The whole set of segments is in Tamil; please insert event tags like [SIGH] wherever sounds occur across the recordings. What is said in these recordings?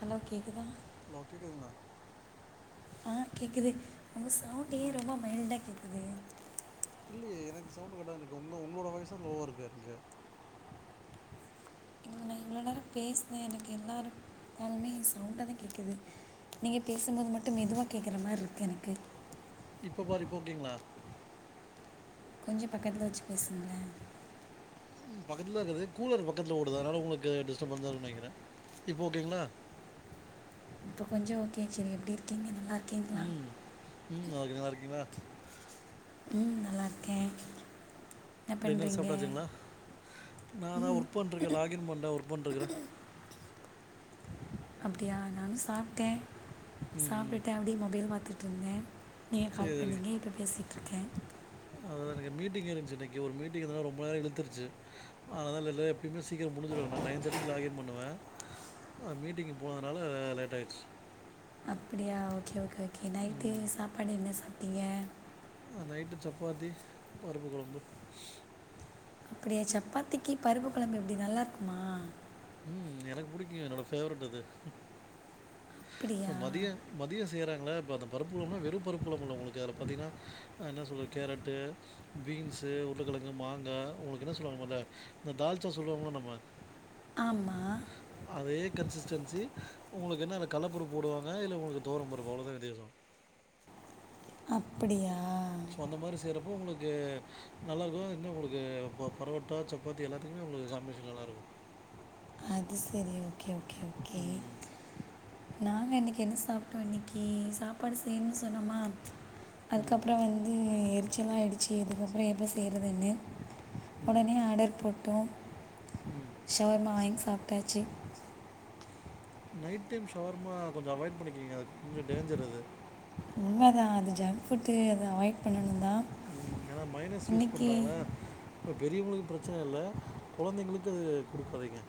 ஹலோ கேக்குதா ஹலோ கேக்குதுங்ளா ஆ கேக்குது ஒங்க சவுண்டே ரொம்ப மைல்டா கேக்குது இல்லயே எனக்கு சவுண்டு கரெக்டா தான இருக்கு ஒங்க ஒங்களோட வாய்சு தா லோவா இருக்கு எனக்கு ங்க நா இவ்ளோ நேர பேசுனே எனக்கு எல்லாரு காலுமே சவுண்டா தா கேக்குது நீங்க பேசும்போது மட்டு மெதுவா கேக்ற மாரி இருக்கு எனக்கு இப்ப பாரு இப்ப அப்டீங்ளா கொஞ்ச பக்கத்ல வெச்சு பேசுங்க பக்கத்ல இருக்கறது கூலர் பக்கத்ல ஓடுது அதனால உங்களுக்கு டிஸ்டபன்ஸா இருக்கும்னு நெனக்குறே இப்போ ஓகேங்ளா இப்போ கொஞ்ச ஓகே சேரி எப்டி இருக்கீங்க நல்லா இரு உம் உம் நல்லா இருக்கே நீங்க நல்லா இருக்கீங்ளா ம் நல்லாருக்கே டின்னர் சாப்டாச்சுங்ளா நானா ஒர்க் பண்ருக்கே லாகின் பண்றே ஒர்க் பண்ருக்கே அப்டியா நானு சாப்ட்டே ம் ம் சாப்டுட்டு அப்டியே மொபைல் பாத்துட்டு துங்க [UNINTELLIGIBLE] நீங்க சரி கால் இருக்கு பண்ணிங்க இப்போ பேசிட்ருக்கே அதா எனக்கு மீட்டிங் இருந்துச்சு இன்னைக்கு ஒரு மீட்டிங் இருந்ததால ரொம்ப நேர இழுத்துருச்சு அதனால இல்ல எப்போமே சீக்கிர முடிஞ்சுரு நா நைன் தேர்ட்டிக்கு லாகின் பண்ணுவே அ மீட்டிங் போனதால லேட் ஆய்டுச்சு அப்டியா ஓகே ஓகே ஓகே நைட்டு சாப்பாடு என்ன சாப் சாப்டிங்க அ நைட்டு சப்பாத்தி பருப்பு கொழம்பு அப்பிடியா சப்பாத்திக்கி பருப்பு கொழம்பு எப்டி நல்லா இருக்குமா? ம் எனக்கு புடிக்குங்க என்னோட ஃபேவரட் அது சோ அப்படியா மதிய மதிய செய்யறா ங்கல்ல இப்ப அந்த பருப்பு கொழம்புனா வெறு பருப்பு கொழம்பு இல்ல உங்களுக்கு. அதுல பாத்தீங்கன்னா ஆ என்ன சொல்ல கேரட்டு பீன்ஸு உருளக்கெழங்கு மாங்கா உங்களுக்கு என்ன சொல்லுவாங்க மொதல்ல இந்த தால்ச்சா சொல்வோம்ல நம்ம ஆமா. அதே கன்சிஸ்டன்சி உங்களுக்கு என்ன அதுல கல்ல பருப்பு போடுவாங்க இதுல உங்களுக்கு தொவரம் பருப்பு அவ்ளவுதா வித்தியாசோ. அப்பிடியா சோ அந்த மாரி செய்றப்போ உங்களுக்கு நல்லா இருக்கும் இன்னு உங்களுக்கு ப பரோட்டா சப்பாத்தி எல்லாத்துக்குமே உங்களுக்கு காமினேஷன் நல்லா இருக்கு. அது செரி எ ஓகே ஓகே ஓகே நாங்க இன்னக்கி என்ன சாப்ட்டோ இன்னக்கி சாப்பாடு செய்னுன்னு சொன்னோமா ம். அதுக்கப்புறோ வந்து இது நிச்சயோ எல்லா ஆய்டுச்சு இதுக்கப்புறோ எப்ப செய்யறதுன்னு. ம். உடனே ஆடர் போட் ப்போ? ம். ஷவர்மா வாங்கி சாப் [UNINTELLIGIBLE] நைட் டைம் ஷவர்மா கொஞ்சோ அவாய்ட் பண்ணிக்கிங்க. அது கொஞ்சோ டேஞ்சர் அது. உண்மதா அது ஜங்க் ஃபுட்டு அத அவாய்ட் பண்ணணு ம் ஏன்னா மயோனஸ் யூஸ் பண்றாங்கல்ல சோ பெரியவங்களுக்கு பிரச்சன இல்ல கொழந்தைங்களுக்கு அது குடுக்காதீங்க.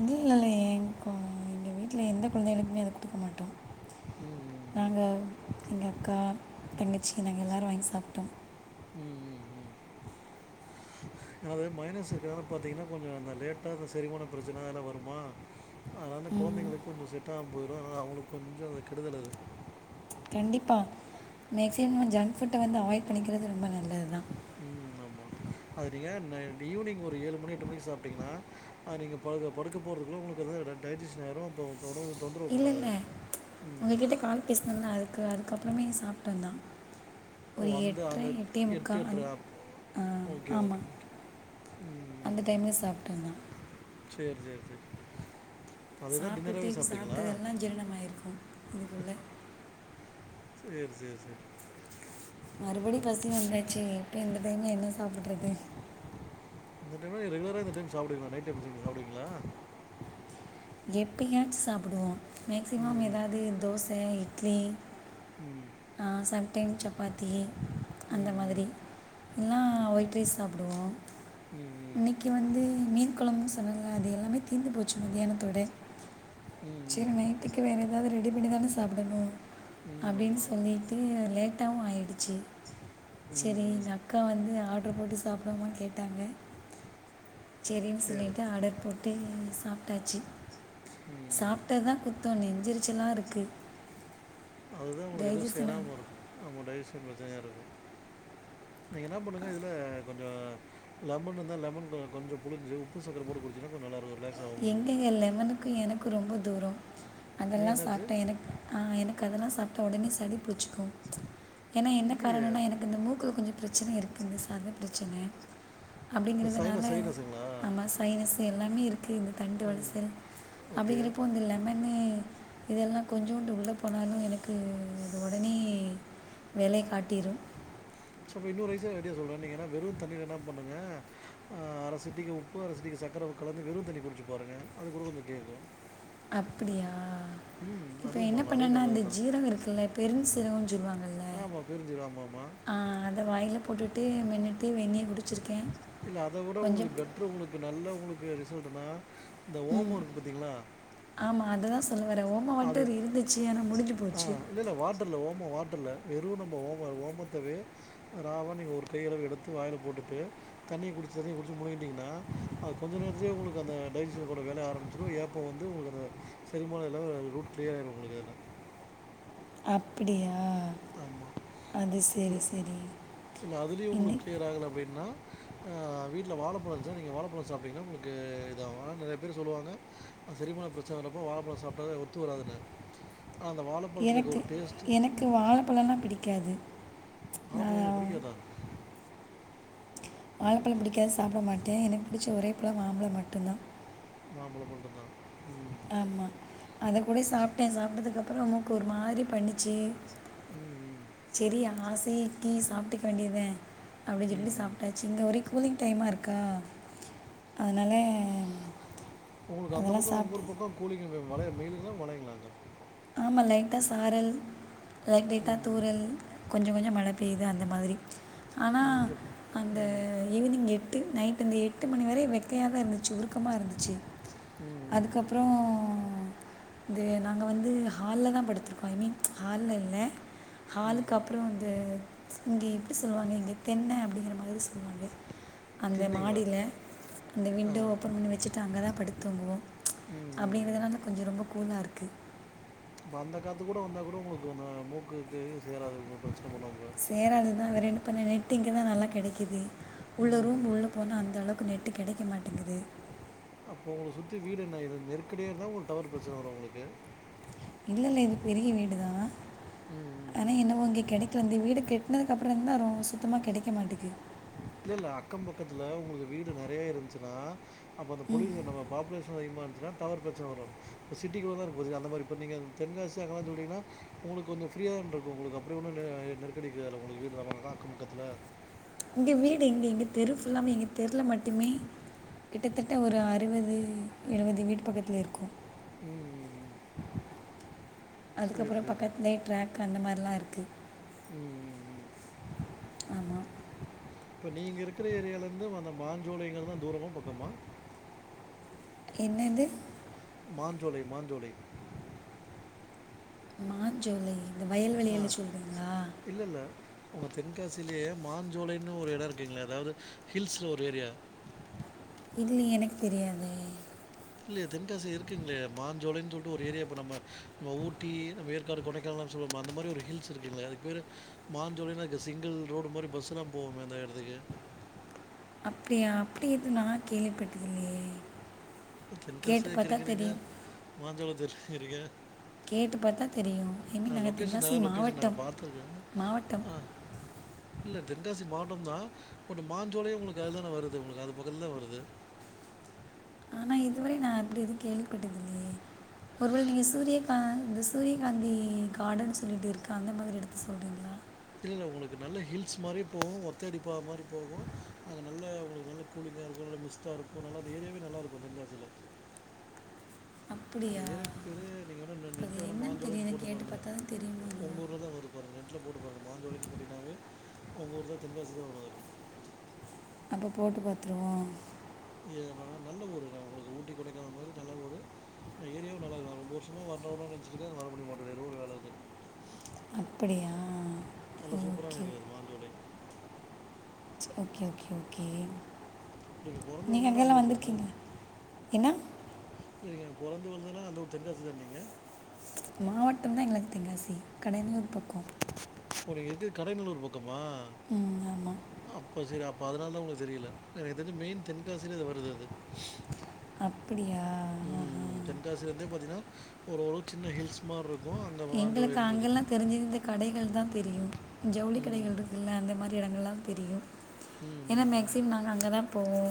இல்ல இல்லயே எந்த கொழந்தைகளுக்குமே அத குடுக்க மாட்டோ ம் ம் நாங்க இங்க அக்கா தங்கச்சி நாங்க எல்லோரு வாங்கி சாப்ட்டோ. ம் ம் ம் அதாவ்து மயோனஸ் இருக்கனால பாத்தீங்கன்னா கொஞ்சோ அந்த லேட்டா அந்த செரிமான பிரச்சன அதல்லா வருமா. அதனால ம், கொழந்தைகளுக்கு கொஞ்ச செட் ஆகாம போயிரு. அதனால அவுங்களுக்கு கொஞ்ச அது கெடுதலு கண்டிப்பா மேக்சிமோ ஜங்க் ஃபுட்ட வந்து அவாய்ட் பண்ணிக்கிறது ரொம்ப நல்லதுதா. ம் ஆமா அது நீங்க ந ஈவினிங் ஒரு ஏழு மணி எட்டு மணிக்கு சாப்ட்டீங்கன்னாங்க ஆ நீங்க படுக்க படுக்க போறதுக்குள்ள உங்களுக்கு அது ட டைஜெஷன் ஆயிரு அப்போ தொடர்ந்து இல்ல இல்ல உங்ககிட்ட கால் பேசுன இல்ல அதுக்க அதுக்கப் பறமே சாப்ட்டந்தா ஓ! ஒரு அந்த எட்ர அந்த எட்டேமுக்கா அந் ஆ ஓகே, ஆமா ஓகே, ஓகே. அந்த ம் டைம்ல சாப்ட்ட நா சேரி சேரி சேரி அதுதா சாப்ட்டுட்டு டின்னராவே இப்ப சாப்ட்டீங்களா சாப்ட்டது எல்லா ஜீரணமாயிருக்கு அதுக்குள்ள செரி செரி செரி மறுபடி பசி வந்தாச்சு இப்ப இந்த டைம்ல என்ன சாப்டுறது இந்த டைம்லா நீ ரெகுலரா இந்த டைம் சாப்டுவிங்களா நைட் டைம் [UNINTELLIGIBLE] நீங்க சாப்டுவீங்களா எப்பயாச்சு சாப்புடுவோ மேக்ஸிமம் ம் ஏதாது தோச இ ட்லி உ ஆ சம்டைம் சப்பாத்தி அந்த மாதிரி ம் இல்னா ஒயிட் ரைஸ் சாப்புடுவோ ம் ம் இன்னிக்கு வந்து மீன் கொலம்புனு சொன்னாங்க அது எல்லாமே தீந்து போச்சு மத்தியானத்தோட ம் சில ம் ம் நேத்திக்கு வேற ஏதாது ரெ ரெடி பண்ணி தான சாப்டணு உ ஆமா ட்டு லேட்டாவு ஆயிடுச்சு ம் செரி ம் இந்தக்கா வந்து ஆட் ரு போட்டு சாப்டுவமானு கேட்டாங்க செரின்னு சேரி சொல்லிட்டு ஆடர் போட் ட்டு சாப்ட்டாச்சு ம் ம் சாப்ட்டதுதா குத்தோ நெஞ்செரிச்சலா இருக்கு அதுதா உங்களுக்கு எதுவு சேராம இருக்கு ஆமா டைஜசன் [UNINTELLIGIBLE] கயாருக்கு நீங்க என்ன பண்ணுங்க இதுல கொஞ்ச லெமன் இருந்தா லெமன் கொஞ்சோ புளிஞ்சு உப்பு சக்கர போட்டு குடிச்சுன்னா கொஞ்சோ நல்லா இருக்கு ரிலாக்ஸ் ஆகு உங்களுக்கு எங்கங்க லெமனுக்கு எனக்கு ரொம்ப தூரோ ஏன் அதெல்லா என்னாச்சு சாப்டே எனக்கு ஆ எனக்கு அதெல்லா சாப்ட்ட உடனே சழி பிட்ச்சிக்கு ஏன்னா என்ன இல்லையே காரணம்னா எனக்கு இந்த மூக்குகு கொஞ்சோ பிரச்சன இருக்கு இந்த சத பிரச்சன இந்த அப்டிங்கிறதுனால சைனஸ் சைனஸுங்களா ஆமா சைனஸ் எல்லாமே இருக் இரு இந்த தண்டு வளசல் ஓகே அப்டிங்கிறப்போ வந்து இல்லாமே இதெல்லா கொஞ்சோண்டு உள்ள போனாலு எனக்கு அது உடனே வேலய காட்டிரு ஸோப்போ இன்னொரு ரைசாக ஐடியா சொல்கிறே நீங்க ஏன்னா வெறு தண்ணில என்ன பண்ணுங்க அர சிட்டிக உப்பு அர சிட்டிக சர்க்கர கலந்து வெறு தண்ணி குடிச்சு பாருங்க அது கூட கொஞ்ச கேக்கு அப்படியா இப்ப அதுவும் என்ன பண்ணலாம் அதுவும் பண்ணேனா நல்லது அந்த ஜீரக இருக்குல்ல பெரு சீரக சொ ஜுவங்க ஆமா பெரிஞ்சீரகம் ஆமா அதை வாயில் போட்டுட்டு மென்னிட்டு வென்னீயே குடிச்சிரு இல்ல அத விட உங்களுக்கு பெட்ரு உங்களுக்கு நல்ல உங்களுக்கு சொல்லனா ம் ஆமா அததா சொல்லவர ஓம் அது ஆ இல்ல இல்ல வாட்டர்ல்ல ஓம வாட்டர்ல்ல வெறு நம்ம ஓம ஓமத்தல ராவா நீங்க ஒரு கையளவு எடுத்து வாயில போட்டுட்டு தண்ணிய குடிச்சு தண்ணிய குடிச்சு முலிங்கிட்டீங்கன்னா அது கொஞ்ச நேரத்துலயே உங்களுக்கு அந்த டைஜஷன் கூட வேலய ஆரம்பிச்சிடு ஏப்போ வந்து உங்களுக்கு அந்த செரிமான ரூட் க்ளியராயிடு உங்களுக்கு அதா அப்பிடியா ஆமா இல்ல சரி இல்ல அதுலயு இன்னை உங்களுக்கு க்ளியர் ஆகல அப்டின்னா அ வீட்ல வாழப்பழ இருந்துச்சா நீங்க வாழப்பழ சாப்ட்டீங்கன்னா உங்களுக்கு இதாகு ஆனா நெறைய பேர் சொல்லுவாங்க அது செரிமான ப்ரச்சன வந்தப்போ வாழப்பழ சாப்ட்டா ஒத்து வராதுண்ணு ஆனா அந்த வாழப்பழத்ல இருக்கு ஒரு டேஸ்ட்டு ப்பழனா பிடிக்காது வாழபழ உங்களுக்கு நான் புடிக்காதா வாழப்பழ புடிக்காது சாப்ட மாட்டே எனக் புடிச்ச ஒரே பழ மாம்பழ மட்டுந்தா மாம்பழ மட்டுந்தா ஆமா அத கூட சாப்ட்டே சாப்ட்டதுக்கு அப்ற னு ஒரு மாரி பண்ணி ஜி ம் ம் சரி ஆசைக்கி சாப்ட்டுக்க வேண்டித அப்டிங்கிருந்து ம் ம் சாப்ட்டாச்சு இங்க ஒரே கூலி்ங் டைமா இருக்கா அதனால உங்களுக்கு அந்த பக்க இன்னொரு பக்க கூலிங்க் மலை மேடுங்களா மலைங்களா [UNINTELLIGIBLE] ஆமா லைட்டா சாரல் லைட் லைட்டா ம் தூரல் கொஞ்ச கொஞ்சோ மழ பெய்யுது அந்த மாத்ரி ஆனா இங்கே ம் அந்த ம் ஈவினிங் எ டு நைட் இந்த எட்டு மணி வரை வெக்கயாதா இருந்துச்சு உருக்கமா இருந் சு ம் அதுக்கப்பறோ தே நாங்க வந்து ஹால்ல தா படுத்திருக்கோ ஐ மீன் ஹால்ல இல்ல ம் ஹாலுக்கு ம் அப்புறோ வந்து இங்க எப்டி சொல்லுவாங்க இங்க தென்ன அப்டிங்கிற மாதிரி சொல்லுவாங்க அந்த தின்னைங்களா மாடில அந்த ஆ விண்டோ ஓப்பன் பண்ணி வச்சுட்டு அங்கதா படுத்து தூங்குவோ ம் ச் ம் அப்டிங்கிறதுனால கொஞ்ச ரொம்ப கூலா இருக்கு [INAUDIBLE] இப்ப அந்த காத்து கூட வந்தா கூட உங்களுக்குந்த மூக்குக்கு சேராது உங்களுக்கு பிரச்சனை பண்ணும் இப்போ சேராதுதா வேற என்ண பண்ணனே டிங்க தா நல்ல கெடைக்குது உள்ள ரூம் உள்ள ம் போன அந்த அளவுக்கு நெட்டு கெடைக்க மாட்டேங்குது அப்போ உங்கள சுத்தி வீடு என்ன நெருக்கடியா இருந்தா உங்கள டவர் பிரச்சன வரு உங்களுக்கு இல்லங்க இது பெரிய வீடுதா ம் ம் ஆனா ம் என்னவோ இங்க கெடைக்க இந்த வீடு கெட்டனதுக்கு அப்புறம்தா சுத்தமா கிடைக்க மாட்டேக்கு இல்ல இல்ல அக்கம் பக்கத்துல உங்களுக்கு வீடு நெறையா இருந்துச்சுன்னா அப்போ அந்த பகுதில பாப்புலேஷன் அதிகமா இருந்துச்சுன்னா டவர் பிரச்சன வரு இப்போ சிட்டிக்குள்ள தா இருக்கு பாத்தீங்கன்னா அந்த மாதிரி இப்போ நீங்க தென்காசி அங்கல்லா சொல்ரீங்கன்னா உங்களுக்கு கொஞ்ச ஃப்ரீயா தான இருக்கு உங்களுக்கப்படி ஒன்னு நெருக்கடி இருக்காதுல உங்களுக்கு வீட்டில் அக்கம்பக்கத்தில இங்க வீடு எங்கே இங்க தெரு ஃபுல்லாமே எங்க தெருவுல மட்டுமே கிட்டத்தட்ட ஒரு அறுவது எழுவது வீடு பக்கத்துல இருக்கோ உ உ உ அதுக்கப்பறோ சேரி பக்கத்துலயே ட்ராக் அந்த மாரிலா இருக்கு ம் ம் ம் இப்ப நீங்க இருக்கிற ஏரியால இருந்து அந்த மாஞ்சோளங்கரது தூரமா பக்கமா என்னது மஞ்சோலை மாஞ்சோலை மாஞ்சோலை இந்த ஆ வயல்வெளியலா சொல்றீங்களா இல்ல இல்ல உங்க தென்காசிலயே மாஞ்ஜோலைன்னு ஒரு எடோ இருக்குங்களே அதாவது ஹில்ஸ்சுல ஒரு ஏரியா இல்லயே எனக்கு தெரியாதே இல்லயே தென்காசில இருக்குங்களே மாஞ்சோலைன்னு சொல்லிட்டு ஒரு ஏரியா இப்போ நம்ம நம்ம ஊட்டி நம்ம ஏற்காடு கொடைக்கானலா சொல்லுவோ அந்த மாதிரி ஒரு ஹில்ஸ் இருக்குதுங்களே அதுக்கு பேரு மாஞ்சோலைன்னு சிங்கிள் ரோடு மாரி பஸ்ஸுலா போவுமே அந்த எடத்துக்கு அப்டியா அப்டி எது நா கேள்விபட்டதில்லயே தென்காசில இருக்கிறீங்க மாஞ்சோலை தெரிலங்குறிங்க கேட்டு பார்த்தா தெரியும் ஐ அ மீன் நாங்கள் லோகேஷன் தென்காசி நல்ல லோகேஷன் நா மாவட்டம் பாத்திருக்கே மாவட்டம் ஆ இல்ல தென்காசி மாவட் டந்தா பட் மாஞ்சோலை உங்களுக்கு அதுல தானே வருது உங்களுக்கு அது பக்கதுல தா வருது ஆனா இதுவரை நா அப்டி எது கேள்விப்பட்டதுல்லையே ஒருவேளை நீங்க சூரியகா இந்த சூரியகாந்தி கார்டன் சொல்லிட்டு இருக்க அந்த மாரி எடத்த சொல்றீங்களா இல்ல உங்களுக்கு நல்ல ஹில்ஸ் மாரியே போவு ஒத்த அடி ப மாரி போவு‌ அது நல்ல உங்களுக்கு நல்ல கூலிங்க இருக்கு நல்லா மிஸ்ட்டா இருக்கு நல்லா அந்த ஏரியாவே நல்லா இருக்கு தெங்காசில அந்த அப்படியா ஏறியாகு பேரு நீங்க வேணா அது நெட்ல வேணா என்னன்னு மாஞ்சோளைன்னு தெரியல போட்டு கேட்டு பாருகலே பார்த்தா தான் தெரியுமா உங்க என்னவோ. ஊர்லதா வரூ பாருக நெட்ல போட்டு பாருங்க மாஞ்சோளைனு போட்டிங்னாவே உங்க ஊர் தா தென்காசிதா வரூ அதுல இப்போ போட்டு பாத்துருவோ ஏனா நல்ல ஒரு உங்களுக்கு ஊட்டி கொடைகானல் மாரி நல்ல ஒரு ஏரியாவு நல்லா இரு ரொம்ப வருஷமா வரனோ வரனோ நினச்சிகிட்டு இருக்க வரபமுடிய மாட்டேன்து எதோ ஒரு வேலவந் அப்படியா நல்ல சூப்பரான ஓகே ஏரியா அது மாஞ்சோளை ஓகே ஓகே ஓகே நீங்க போறந்து வளந்ததுலா அந்த ஊர் தானே என்னா இல்லங்க போறந்து வளந்தல்லா அந்த ஊர் தென்காசி தான நீங்க மாவட்டந்தா எங்களுக்கு தென்காசி கடையநல்லூர் பக்கோ போரு எது கடயநல்லூர் பக்க மா ம் ஆமாம் அப்ப சரி அப்ப அதனால தா உங்களுக் தெரியல அது எனக்கு தெரிஞ்சி மெயின் தென்காசியில வருது அது அப்படியா உ ஆஹா. உ தென்காசில இருந்தே பாத்தீங்ன்னா ஒரு ஓரளவு சின்ன ஹில்ஸ் மாரி இருக்கோ அங்க மாஞ்சோளைன்னு இருக்குது தெரியு ஜவுளி ம். கடைகள் இருக்குல்ல அந்த மாரி எடங்கள்லா தெரியு ம், ஏனா ம், மேக்சிமோ நாங்க அங்க தா போவோ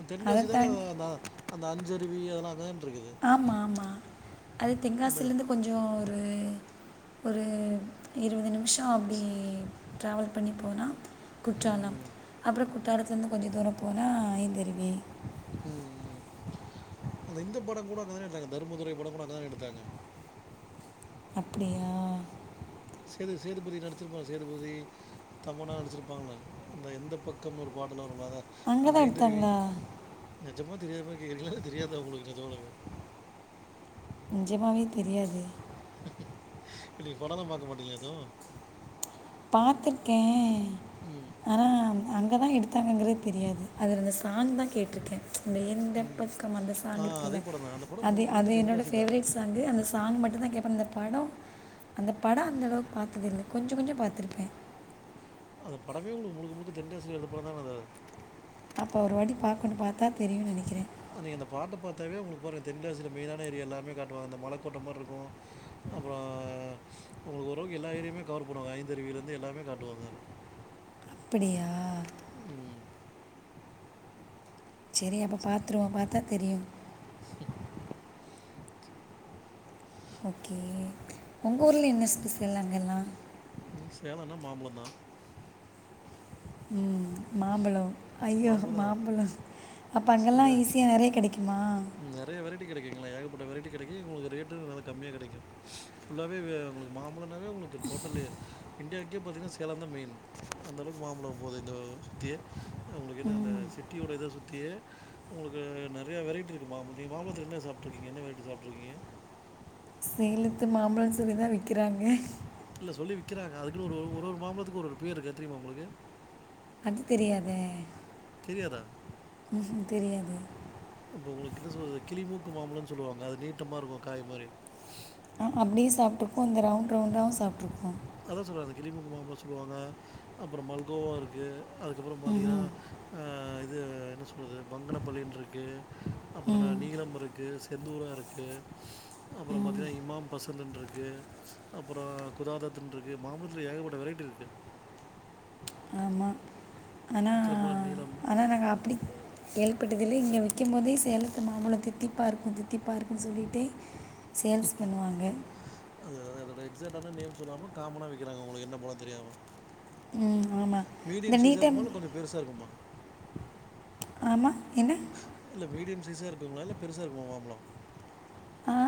அத்தென்காசி தான நா அந்த அஞ்சருவி அதலா து ஆமா ஆமா அது அந்த தென்காசில இருந்து கொஞ்சோ ஒரு ஒரு இருவது நிமிஷோ அப்டி டிராவல் பண்ணி போனா ம், குற்றாலம் ம். அப்றோ கு ற்றாலத்துல இருந்து கொஞ்ச தூரோ போனா ஐந்தருவி ம் ம் அந்த இந்த படங் கூட அங்கதான எடுத்தாங்க தர்மதுரை படங் கூட அங்கதான எடுத்தாங்க? அப்டியா? சேது சேதுபதி நடிச்சிருப்பா சேதுபதி தமன்னா நடிச்சிருப்பாங்கல்ல அந்த எந்தப் பக்கம்னு ஒரு பா த்தோன்னா ரொம்ப அத அங்க அந்த தான் ஐந்தருவி எடுத்தாங்களா? நெஜமா தெரியாத மாரி கேக்குறீங்களா இல்ல தெரியாதா உங்களுக்கு நெஜமாலுமே? நெஜமாவே தெரியாது இல்ல நீங்க படோல்லா பாக்க மாட்டீங்களா எது? பாத்ருக்கே ஆனா அங்கதா எடுத்தாங்கங்கறது தெரியாது. அதுல அந்த சாங்தா கேட்ருக்கே. அந்த எந்தப் ம். பக்கம் அந்த ஆ சாங் அதே இருக்குல்ல படம் தான் அந்த படம் அது முழுக்க அது முழுக்க என்னோட தென்காசி தான் ஃபேவரட் சாங்கு அந்த சாங் மட்டுந்தா கேப்பே அந்த படொ அந்த படோ அந்தளவுக்கு பாத்ததில்ல. கொஞ்சொ கொஞ்சொ பாத் திருப்பே. அந்த படமே உங்களுக்கு முழுக்க முழுக்க தென்காசில எடுத்த படந்தான அது. அப்ப ஒருவாட்டி பாக்கணு. பாத்தா தெரியுன்னு நெனக்கிறே. ஆ நீங்க அந்த பாட்ட பாத்தாவே உங்களுக்கு பாருங்க தென்காசில மெயினான ஏரியா எல்லாமே காட்டுவாங்க. அந்த மலக்கோட்ட மார இருக்கு. அப்றோ உங்களுக்கு ஓரளவுக்கு எல்லா ஏரியாமே கவர் பண்ணுவாங்க ஐந்தருவிலேந்து எல்லாமே காட்டுவாங்க அதுல. அப்பிடியா? செரி அப்ப பாத்துருவோ பாத்தா தெரியு. ம் ஓகே உங்க ஊர்ல என்ன ஸ்பெஷல் அங்கல்லா? ம் சேலன்னா மாம்பழந்தா. ம் மாம்பழோ ஐயோ மாம்பழம் தான் மாம்பழோ அப்ப அங்கல்லா சே ஈஸியா நெறைய கெடைக்குமா? கெடைக்கி உங்களுக்கு ரேட்டு நல்லா கம்மியா கெடைக்கு. ஃபுல்லாவே வெ உங்களுக்கு மாம் பழோன்னாவே உங்குளுக்கு டோட்டலு இண்டியாக் கே பாத்தீங்கனா சேலம்ந்தா மெய்ன் அந்த அளவுக்கு மாம்பழோ போகுது இந்த சுத்தி அவங்களுக்கு ன்ன அந்த சிட்டியோடய சுத்திய உங்களுக்கு நெறைய வெரைட்டி ருக் மாம்பத் மாம்பழத்துல என்ன சாப்ட்ருக்கீங்க என்ன வெரைட்டி சாப்ட்ருக்கீங்க சேலத்து மாம்பழோன்னு சொல்லிதா விக்கிறாங்க. இல்ல சொல்லி விக்கிறாங்க. அதுக்குன்னு ஒரு ஒரு ஒரு மாம்பழத்துக்கு ஒரு ஒரு பேர் இருக்கு அது தெரியுமா உங்களுக்கு? அது தெரியாதே. தெரியாதா? ம் தெரியாது அப்ப உங்களுக்கு என்ன சொல்றது கிளிமூக் கு மாம்பழோன்னு சொல்லுவாங்க. அது நீட்டமா இருக்கு காய் மாரி சாப்ட்ருக்கோ அதா சொல்றாங்க அந்த கிரிமுக்கு மாம்பழ சொல்லுவாங்க அப்ற மல்கோவா இருக்கு அதுக்கப்ற பாத்தீங்கன்னா ம் ஆ இது என்ன சொல் து வங்கன பள்ளின்ருக்கு அப்ற ந ம் நீளம் இருக்கு செந்தூர இருக்கு அப்ற பாத்தங்கன்னா இமாம் பசந்துன் இருக்கு இருக்கு அப்பற குதாதத் இருக்கு மாமரத்துல ஏகப்பட்ட வெரைட்டி இருக்கு ஆமா ஆனா பழம் நீளம் ஆனா நாங்க அப்படி எங் செல் ப்பட்டதில இங்கே விக்கும் போதே சேலத்து மாம்பழ தித்திப்பார்க்கு தித்திப்பார்க்குன்னு சொல்லிட்டே அ அததா எக்ஸாட் ஆனா நேம் சொல்லாம காமனா விக்கறாங்க உங்களுக்கு என்ன பாழோனு தெரியாம ம் ஆமாம் இந்த மீடியம் சைஸா இருக்குமா இல்ல கொஞ்ச பெருசா இருக்குமா ஆமா என்ன ருசா இருக்குங்களா இல்ல பெருசா இருக்கு மாம்பழம் ஆ